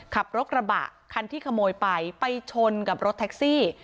ขับรถกระบะคันที่ขโมยไปไปชนกับรถแท็กซี่